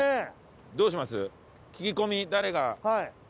どうします？